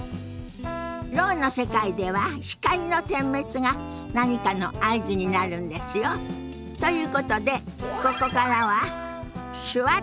ろうの世界では光の点滅が何かの合図になるんですよ。ということでここからは「手話っとストレッチ」のお時間ですよ。